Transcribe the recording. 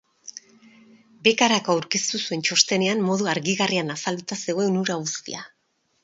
Bekarako aurkeztu zuen txostenean modu argigarrian azalduta zegoen hura guztia.